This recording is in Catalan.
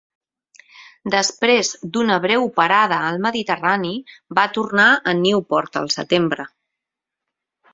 Després d"una breu parada al Mediterrani, va tornar a Newport al setembre.